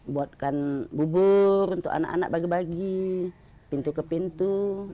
buatkan bubur untuk anak anak bagi bagi pintu ke pintu